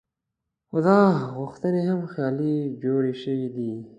خو دا غوښتنې هم خیالي جوړې شوې دي.